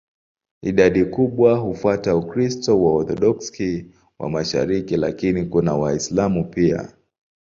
Idadi kubwa hufuata Ukristo wa Waorthodoksi wa mashariki, lakini kuna Waislamu pia.